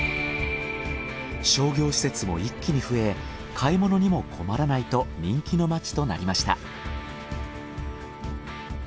商業施設も一気に増え買い物にも困らないと人気の街となりました。